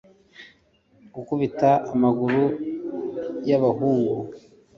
gukubita amaguru y'abahungu